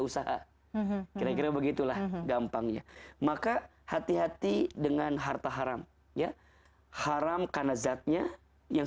usaha kira kira begitulah gampangnya maka hati hati dengan harta haram ya haram karena zatnya yang